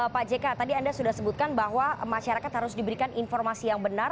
pak jk tadi anda sudah sebutkan bahwa masyarakat harus diberikan informasi yang benar